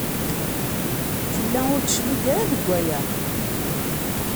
Tella ur d-teclig ara seg waya.